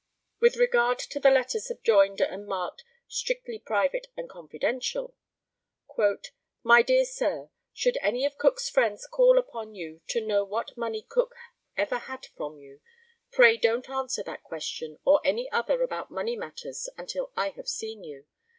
] With regard to the letter subjoined, and marked "strictly private and confidential," "My dear Sir, Should any of Cook's friends call upon you to know what money Cook ever had from you, pray don't answer that question or any other about money matters until I have seen you.